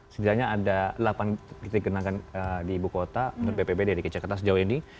sejujurnya ada delapan genangan di ibu kota bppb di jakarta sejauh ini